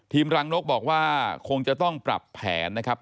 รังนกบอกว่าคงจะต้องปรับแผนนะครับ